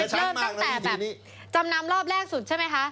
เริ่มตั้งแต่แบบจำนำรอบแรกสุดใช่ไหมคะ